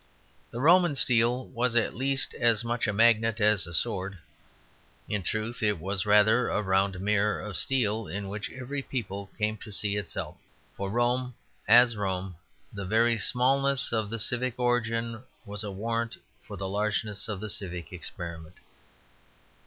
The Roman steel was at least as much a magnet as a sword. In truth it was rather a round mirror of steel, in which every people came to see itself. For Rome as Rome the very smallness of the civic origin was a warrant for the largeness of the civic experiment.